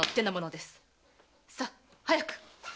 さあ早く！